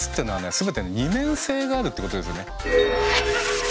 全て二面性があるってことですよね。